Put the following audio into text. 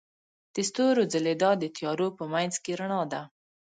د ستورو ځلیدا د تیارو په منځ کې رڼا ده.